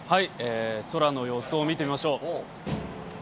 空の様子を見てみましょう。